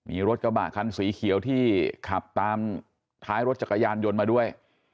มีรถกระบะคันสีเขียวที่ขับตามท้ายรถจักรยานยนต์มาด้วย